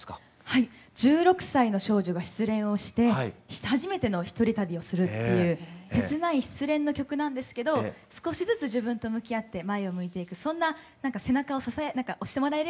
１６歳の少女が失恋をして初めての一人旅をするっていう切ない失恋の曲なんですけど少しずつ自分と向き合って前を向いていくそんな背中を押してもらえるような曲でもあると思います。